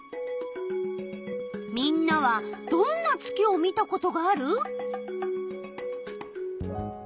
みんなはどんな月を見たことがある？